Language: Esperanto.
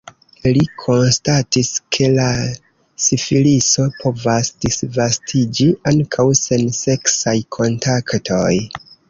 Li konstatis, ke la sifiliso povas disvastiĝi ankaŭ sen seksaj kontaktoj.